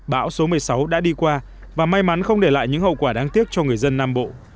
bão số một mươi sáu đã đi qua và may mắn không để lại những hậu quả đáng tiếc cho người dân nam bộ